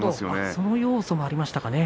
その要素がありましたかね。